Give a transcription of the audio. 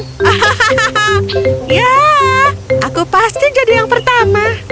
hahaha ya aku pasti jadi yang pertama